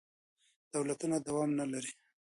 دولتونه دوام نه لري.